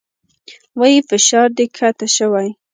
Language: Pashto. وايي فشار دې کښته شوى.